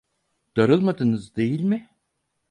Darılmadınız değil mi?